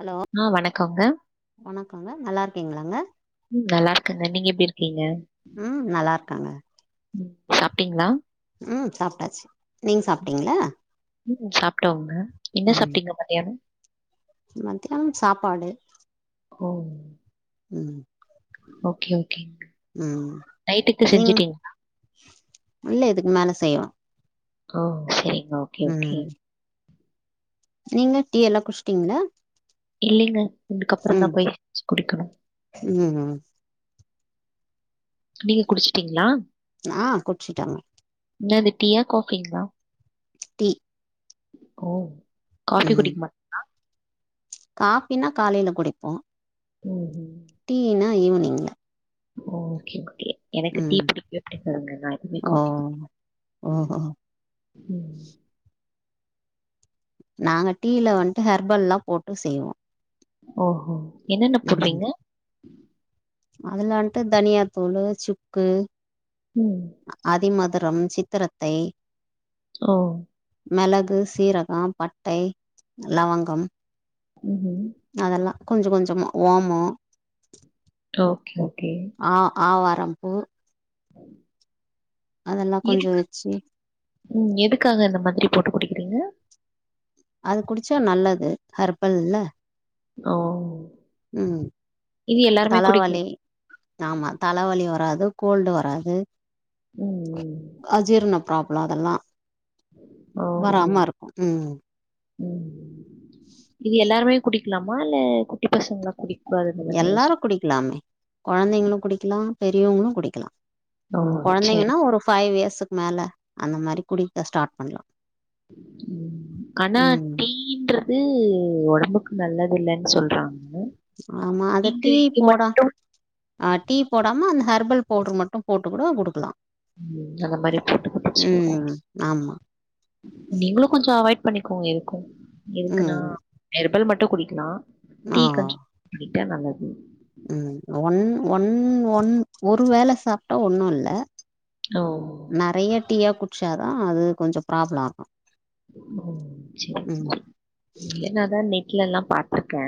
Hello ஆ வணக்கோங்க வணக்கங்க நல்லார்க்கீங்ளாங்க ம் நல்லார்க்கங்க நீங்க எப்டி இருக்கீங்க ம் நல்லா இருக்காங்க ம் சாப்ட்டீங்ளா ம் சாப்டாச்சு நீங் சாப்ட்டீங்ளா ம் சாப்டோங்க என்ன ம் சாப்ட்டீங்க மத்தியானோ மத்தியானம் சாப்பாடு ஓ ம் ஓகே ஓகேங்க ம் நைட்டுக்கு நீங் செஞ்சுட்டீங்களா? உள்ள எதுக்கு மேல செய்வோ ஓ சேரிங்க ஓகே ஓகே ம் நீங்க டீ எல்லா குச்டீங்ளா இல்லிங்க இதுக்கப்றந்தா போய் வெச்சி குடிக்கணு ம் ம் நீங்க குடிச்ட்டீங்ளா நா குட்ச்சிட்டங்க என்னது டீயா காஃபிங்ளா டீ ஓ காஃபி ம் குடிக்க மாட் காஃபினா காலைல குடிப்போ ம் ம் டீயினா ஈவினிங்ல ஓகே ஓகே எனக்கு டீ ம் பிடிக்வே பிடிக்காதுங்க நா எப்பவுமே ஓ காஃபி ஓஹோ ம் நாங்க டீயில வந்துட்டு ஹெர்பல்லல்லா போட்டு செய்வோ ஓஹோ என்னென்ன ம் போடுவீங்க அதுல வந்துட்டு தனியாத்தோளு சுக்கு ம் அ ஆதி மதுரம் சித்திரத்தை ஓ மெளகு, சீரக, பட்ட, லவங்கம் ம் ம் அதெல்லா கொஞ்ச கொஞ்ச ஓமோ ஓகே ஓகே ஆ ஆவாரம்ம்பூ [inaudible] அதெல்லா எ கொஞ்ச வச்சு ம் எதுக்காக இந்த மாதிரி போட்டு குடுக்குறீங்க அது குடிச்சா நல்லது ஹர்பல்ல ஓ ம் இது எல்லாருமே தலவாளி குடிக்கணும். ஆமா தலைவலி வராது கோல்டு வராது ம் ம். அஜீர்ண ப்ராப்ள அதெல்லா ஓ [unintelligible] ம் ம் இது எல்லாருமே குடிக்கலாமா இல்ல குட்டி பசங்களா குடி எல்லாரு குடிக்கலாமே கொழந்தைங்களு குடிக்கலா பெரியவங்களு குடிக்கலா ஓ! சரி. கொழந்தைங்கன்னா ஒரு ஃபைவ் இயர்ஸுக்கு மேல அந்த மாரி குடி ஸ்டார்ட் பண்ணலா ம் கனா டி அடின்றது ஒடம்புக்கு நல்லது இல்லைன்னு சொல்றாங்க ஆமா நீங்க அதட்டி இது போடா மட்டும் ஆ டீ போடாம அந்த ஹெர்பல் பவுடர் மட்டு போட்டு கூட குடுக்கலா ம் அந்த மாரி போட்டு போட்டுச்சுக்கோ ஆமா. நீங்களு கொஞ்சோ அவாய்ட் பண்ணிக்கோங்க எதுக்கு எதுக்குன்னா ம். ஹெர்பல் மட்டும குடிக்கலா ஆ. டீ கொஞ்ச [inaudible] ண்ணிட்டா நல்லது ம் ஒன் ஒன் ஒன் ஒரு வேல சாப்ட்டா ஒன்னுல்ல ஓ நெறைய டீயா குடிச்சாதா அது கொஞ்ச ப்ராப்ள ஆகு ம் சரி ச ஏநாதா நெட்லல்லா பா்த்தருக்கே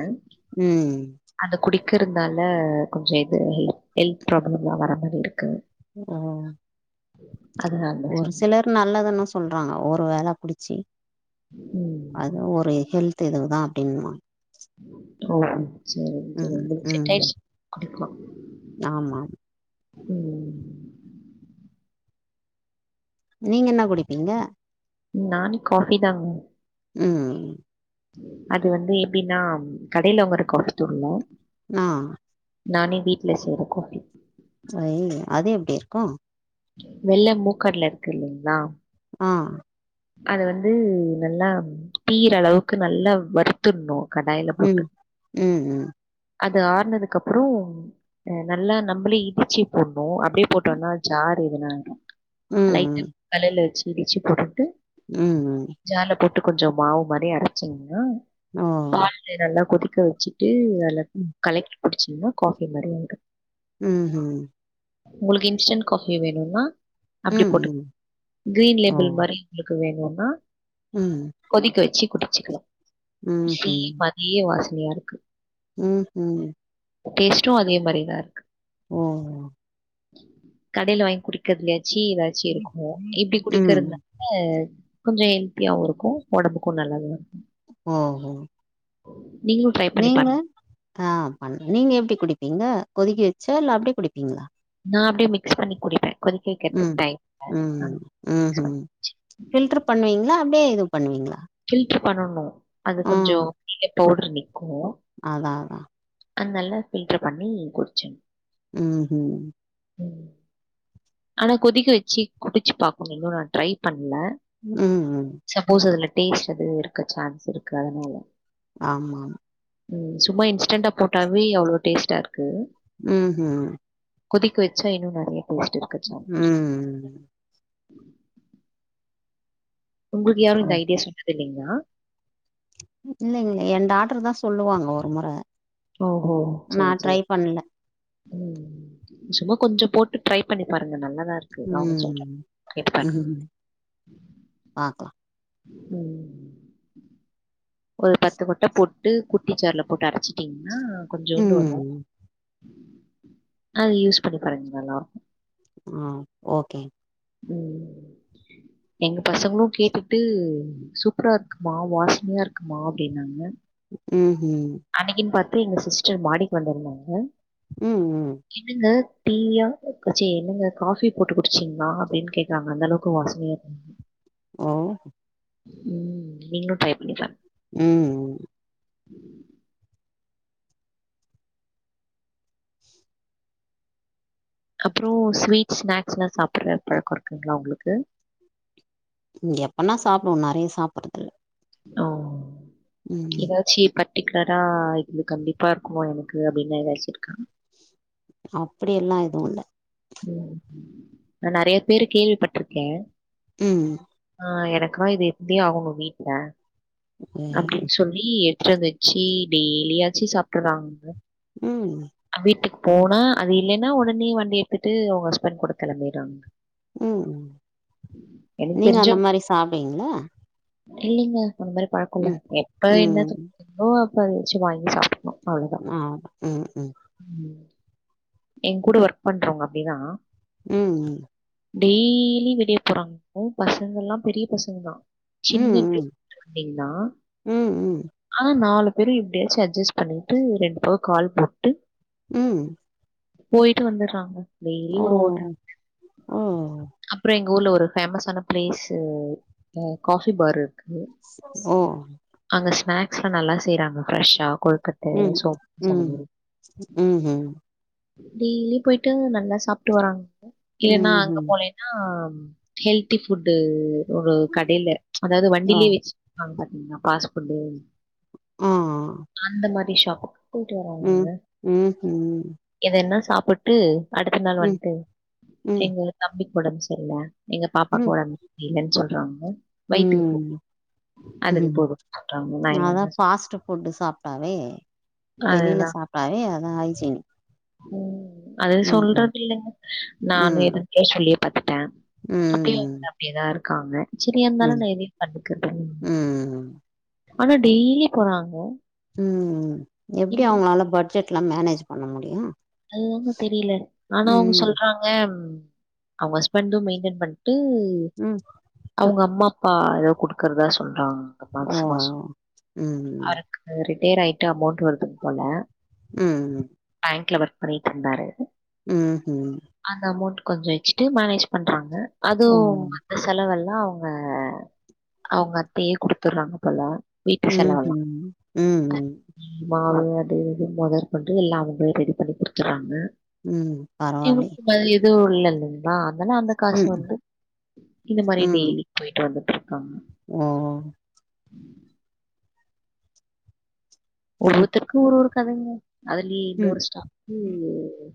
ம் அந்த குடிக்கிறதுனால கொஞ்ச இது ஹெல்த் ப்ராப்ளம்லா வராம இருக்கு ம் அதனால தான் ஒரு சொன்னேன். சிலர் நல்லதுன்னு சொல்றாங்க ஒரு வேன புடிச்சி ம். அது ஒரு ஹெல்த் தெதுவுதா அப்படின்னுவா ஆ சரி சரி ம். உங்களுக்கு ம். செட்டாயிச் குடுக்கலா ஆமா ம் நீங்க என்ன குடிப்பீங்க நானே காஃபி தாங் ம் ம் அது வந்து எப்டின்னா கடையில வாங்குற காஃபி தூளு நா நானே வீட்ல செய்ற கோஃபி அய்யய்யோ அது எப்டி இருக்கு வெள்ள மூக்கடல இருக்கு இல்லைங்ளா ஆ அத வந்து நல்லா தீயிற அளவுக்கு நல்லா வருத் த்துர்னு கடாயில ம். போட்டு ம். ம். அது ஆர்னதுக்கு அப்பறோ ஆ நல்லா நம்பளே இடுச்சு போட்னு அப்டியே போட்டோன்னா ஜாரு எதுனா ஆயிடு ம். ம். லைட்டா கலர்ல வச்சுட் இடிச்சு போட்டுட்டு ம் ம் ஜார்ல போட்டு கொஞ்ச மாவு மாரி அரச்சிங்னா ஓ ஓ ல்ல நல்லா கொதிக்க வச்சுட்டு அதுல கலெக்கி குடிச்சிங்கன்னா காஃபி நெறையா வரு ம் ஹும் உங்களுக்கு இன்ஸ்டன்ட் காஃபி வேணுன்னா அப்டி போட்டு கிரீன் லேபுள் மாரி உங்ளுக்கு வேணுன்னா ம் கொதிக்க வச்சு குடிச்சுக்லா சேம் அதே வாசனையா இருக்கு ம் ஹும் டேஸ்ட்டு அதே மாரிதா இருக்கு ஓ ஓ கடையில வாங்கி குடிக்கற்துலையாச்சி எதாச்சு இருக்குமோ இப்டி ம். குடிக்கிறதுனால இல்ல கொஞ்ச ஹெல்த்தியாவு இருக்கு ஒடம்புக்கு நல்லாதா இருக்கு ஓ ஹோ நீங்களும் ட்ரை பண்ணி நீங்க பாருங்க. ஆ பண் நீங்க எப்டி குடிப்பீங்க கொதிக்க வச்சா இல்ல அப்டியே குடிப்பீங்களா நா அப்டியே மிக்ஸ் பண்ணி குடிப்பே கொதிக்க வெக்கிறதுக்கு ம். டைம் இல்ல ம் ஹும் ஃபில்ட்ரு பண்ணுவீங்ளா அப்டியே இதுவு பண்ணுவீங்ளா ஃபில்ட்ரு பண்ணணு அது கொஞ்சோ அப்டியே பவுட்ரு நிக்கு அதா அதா அந்தல்ல ஃபில்ட்ரு பண்ணி குடுச்சே ம் ஹும் ம் ஆனா கொதிக்க வச்சு குடிச்சு பாக்கணு இன்னு நா ட்ரை பண்ல ம் ஹும் சப்போஸ் அதுல டேஸ்ட் அதுவு இருக்க சான்ஸ் இருக்கு அதுனால ஆமா ம் சும்மா இன்ஸ்டண்டா போட்டாவே அவ்ளோ டேஸ்ட்டா இருக்கு ம் ஹும் கொதிக்க வச்சா இன்னு நெறையா டேஸ்ட் இருக்க சான்ஸ் இருக்கு ம். உங்களுக்கு யாரு இந்த ஐடியா சொன்னது இல்லைங்ளா இல்லேங்ளே ஏ டாட்டருதா சொல்லுவாங்க ஒரு முற ஓஹோ! நா சரி, ட்ரை சரி. பண்ல ம் சும்மா கொஞ்ச போட்டு ட்ரை பண்ணி பாருங்க நல்லாதா இருக் ம் ம் பாக்கலா ம் ஒரு பத்து கொட்ட போட்டு குட்டி ஜார்ல போட்டு அரச்சு ட்டீங்னா கொஞ்சோண்டு வரு ம் அது யூஸ் பண்ணி பாருங்க நல்லா இருக்கு ஆ ஓகே ம் எங்க பசங்களு கேட்டுட்டு சூப்பரா இருக்குமா வாசனையா இருக்குமா அப்டின்னாங்க ம் ஹீம் அன்னக்கின்னு பாத்து எங்க சிஸ்டர் மாடிக்கு வந்திருந்தாங்க ம் ம் என்னங்க டீயா சே என்னங்க காஃபி போட்டு குடிச்சீங்களா அப்டின்னு கேட்டாங்க அந்த அளவுக்கு வாசனையா ஓ ம் நீங்களு ட்ரை பண்ணி பார் ம் அப்பறோ ஸ்வீட் ஸ்நாக்ஸ்ல்லா சாப்டுற பழக்கோ இருக்குங்களா உங்களுக்கு இங்க எப்பன்னா சாப்டுவோ நெறைய சாப்புறதுல்ல ஓ ஏதாச்சி கட் பர்டிகுலரா இது கண்டிப்பா இருக்குமோ எனக்கு அப்டின்னு எதாச்சு இருக்கா அப்டி எல்லா எதுவு இல்ல ம் நா நெறைய பேரு கேள்விப்பட்ருக்கே ம் ஆ எனக்கா இது இருந்தே ஆகணு வீட்ல அப்டின்னு சொல் லி எட்ற வச்சி டெய்லியாச்சு சாப்ட்டுறாங்க ம் வீட்டுக்குப் போனா அது இல்லேனா ஒடனே வண்டி எடுத்துட்டு அவுங்க ஹஸ்பண்ட் கூட கெளம்பிறாங்க ம் நீங்க அந்த மாரி சாப்டுவீங்கள இல்லீங்க அந்த மாரி பழக்கோ இல்ல எப்ப என்ன ம் த ங்களோ அப்ப அத வச்சு வாங்கி சாப்டுக்கணு மா ம் ம் ம் எங் கூட ஒர்க் பண்றவுங்க அப்டினா ம் டெய்லி வெளியப் போறாங் உ பசங்கல்லா பெரிய பசங்க தா சின்ன ம் பிப் அப்டினா ம் ம் ம் ஆனா நாலு பேரு எப்டியாச்சு அட்ஜஸ்ட் பண்ணிட்டு ரெண்டு பக் கால் போட்டு ம் போயிட்டு வந்துறாங்க டெய்லி ஓ ஒரு ஓட்டல் ஓ [inaudible] அப்பறோ எங்க ஊர்ல ஒரு ஃபேமஸான பிளேஸு அ காஃபி பார் இருக்கு ஓ அங்க ஸ்நாக்ஸ்ல்லா நல்லா செய்றாங்க ஃப்ரெஷ்ஷா கொழுக்க ட்ட ம் சோ மாஸ் அந்த ம் மாரி ம்ஹும் டெய்லி போயிட்டு நல்லா சாப்ட்டு வர்றாங்க இல்லன்னா அங்க ம்ஹும் போலே னா ஹெல்தி ஃபுட்டு ஒரு கடைல அதாவது ஆ வண்டிலேயே வச்சு வாங்காதிங்னா ஃபாஸ்ட் ஃபுட்டு ஆ அந்த மாரி ஷாப் போயிட்டு ம் வருவாங்கங்க ம்ஹும் எதன்னா சாப்பிட்டு அடுத்த நாள் ம் வந்ட்டு ம் எங்களு தம்பிக்கு ஒடம் செரியில்ல எங்க பாப்பாக்கு ஒடம்பு இல்லன்னு சொல்றாங்க வயிற்றுக்கு போ ம் அதுக்கு ம் போது அதா ஃபாஸ்ட்டு ஃபுட்டு் சாப்ட்டாவே வெளில அதுதான் சாப்ட்டாவே அதா ஹைஜீனி ம் அது சொல்றதில்லங்க நானு ம் எது [unintelligible] சொல்லி பாத்துட்ட அப்டி ம் யேதா இருக்காங்க சரி எந்தாலு ம் நா எதையு கண்டுக்கற்தில் ம் ஆனா டெய்லி போறாங்க ம் ம் எப்டி இப்படி அவங்களால பட்ஜெட்ல்லா மேனேஜ் பண்ண முடியு அதுதாங்க தெரில ஆனா அவுங்க ம் சொல்றாங் க அவுங்க ஹஸ்பண்ட்டு மெயின்டென் பண்ட்டு ம் அவங்க அம்மா அப்பா எதோ குடுக்கறதா சொல்றாங்க அ ஓ மாசமாசோ ம் ரிட்டையர் ஆயிட்டு அமௌன்ட் வருது போல ம் பேங்க்ல ஒர்க் பண்ணிட்டு இருந்தாரு ம்ஹு அந்த அமௌண்ட் கொஞ்ச வச்ட்டு மேனேஜ் பண்றாங்க அதுவு ஓ இந்த செலவெல்லா அவுங்க அவுங்க அத்தையே குடுத்துட்றாங்க போல வீட்டு ம்ஹு செலவெல்லாம். ம் ம் மாவு அது இது மொதற்கொண்டு எல்லா அவுங்களே ரெடி பண்ணி குடுத்துறாங்க ம் பரவால்லே வேற எதுவு இல்ல இல்லைங்களா அதலா அந்த காசு ம் வந்து இந்த மாரி டெய்லி போய்ட்டு வந்துட்டுருக்காங்க ஒ ஒ ஒவ்வொருத்தருக்கு ஒரு ஒரு கதைங்க அதுலயே ம் இன்னொரு ஸ்டா ம்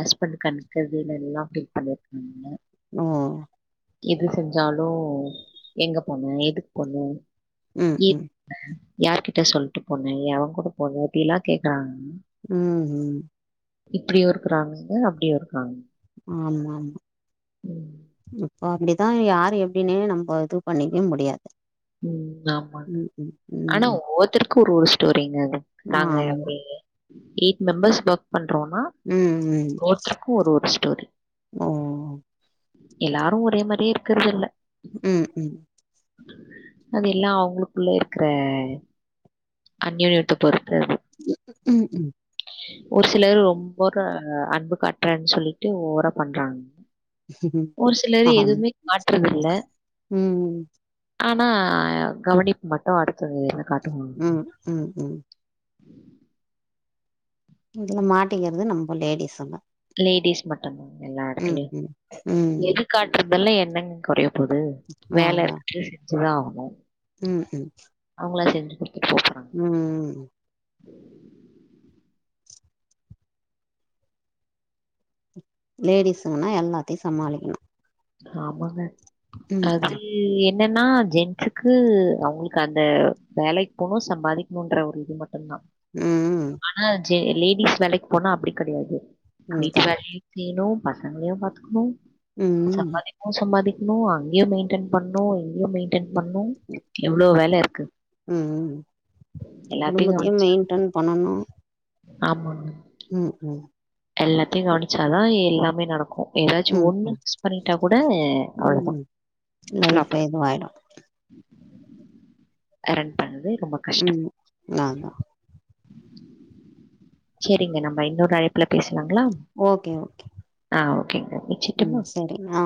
ஹஸ்பண்ட் கண்டுகறதேயில்லானேல்லா ஃபீல் பண்ணிருக்காங்க நோ எது செஞ்சாலு எங்க போன எதுக்கு போன ம் எப் ம் யார்கிட்ட சொல்லிட்டு போன எவ கூட போன இப்டில்லா கேக்குறாங்க ம் ம் இப்டியு இருக்குறாங்கங்க அப்டியு இருக்கறாங்கங்க ஆமா ஆமா இப்போ அப்டிதா யாரு எப்டின்னே நம்ம இது பண்ணிக்கவே முடியாது ம் ஆமாங்க ம் ம் ஆனா ம் ஒவ்வொத்தரு க்கு ஒரு ஒரு ஸ்டோரிங்க அது நாங்க ஆமா அப்டி ஒரு எயிட் மெம்பர்ஸ் ஒர்க் பண்றோனா ம் ம் ஒருத்தருக்கு ஒரு ஒரு ஸ்டோரி ஓ எல்லாரு ஒரே மாரியே இருக்கறது இல்ல ம் ம் அது எல்லா அவுங்களுக்குள்ள இருக்கற அந்நியோனியத்த பொறுத்தது உம் உம் ஒரு சிலர் ரொம்போ ர அன்பு காட்டுறேன்னு சொல்லிட்டு ஓவரா பண்றாங்க ம் ஒரு சிலர் ஆமா எதுவுமே காட்றதில்ல ம் ஆனா கவுனிப்பு மட்டு அடுத்தது ம் ம் ம் இதுல மாட்டக்கிறது நம்ம லேடிஸ்ங்க லேடிஸ் மட்டுதா எல்லா எடத்துலயு ம் ம் எதிர் காட்டுறதெல்லா என்னங்க கொறைய போது வேல அதான் இருக்குது செஞ்சுதா ஆகணு ம் ம் அவுங்களா செஞ்சி குடுத்துட்டு போ போறங் ம் ம் ம் உம் லேடீஸ்ங்கன்னா எல்லாத்தையு சமாளிக்கணு ஆமாங்க ம் அது து என்னன்னா ஜென்சுக்கு அவுங்களுக்கு அந்த வேலைக்கு போணு சம்பாதிக்கணும்ன்ற ஒரு இது மட் டுதா ம் ஆனா ஜெ லேடிஸ் வேலைக்கு போனா அப்டி கெடயாது வீட்டு இதான் வேலயு செய்ணு பசங்களையு பாத்துக்குணு ம் ம் சம்பாதிக்கவு சம்பாதிக்கணு அங்கயு மெயின்டென் பண்ணு இங்கயு மெயின் டென் பண்ணு எவ்ளோ வேல இருக்கு ம் ம் எல்லாத்தையு குடும்பத்தையு கவனிச்சா மெயின்டென் பண்ணணு ஆமாங்க ம் ம் எல்லாத்தயு கவனிச்சாதா எல்லாமே நடக்கு ஏதாச்சு ம் ஒண்ணு மிஸ் பண்ணிட்டா கூட ம் அவ்ளதா ம் லைஃப் பிளாப்பர் இதுவாயிடும் அ ரன் பண்றதே ரொம்ப கஷ்டோ ம் நா தா சேரிங்க நம்ப இன்னொரு அழைப்புல பேசலாங்களா ஓகே ஓகே ஆ ஓகேங்கா வச்சுட்டுமா ஆ ஆ